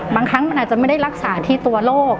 บางครั้งมันอาจจะไม่ได้รักษาที่ตัวโรค